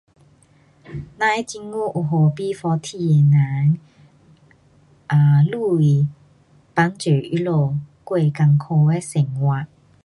咱政府有给 B-forty 的人，啊，钱帮助他们过困苦的生活。